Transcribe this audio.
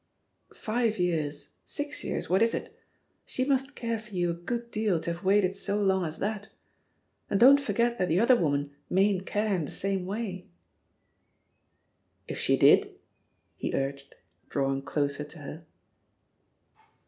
"Five years — six years, what is it? She must care for you a good deal to have waited so long as that. ••• And don't forget that the other woman mayn't care in the same way." "If she did ?" he urged, drawing closer to her.